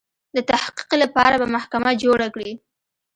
د تحقیق لپاره به محکمه جوړه کړي.